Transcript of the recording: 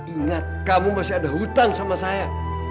ingat kamu masih ada hutan sama saya